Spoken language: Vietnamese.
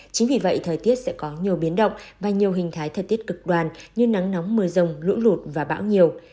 chính vì vậy thời tiết sẽ có nhiều biến động và nhiều hình thái thời tiết cực đoan như nắng nóng mưa rồng lũ lụt và bão nhiều